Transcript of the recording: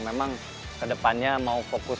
memang kedepannya mau fokus